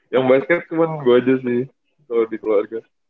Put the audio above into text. yang basket cuma gue aja sih kalau di keluarga